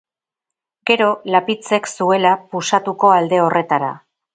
Gero Lapitzek zuela pusatuko alde horretara.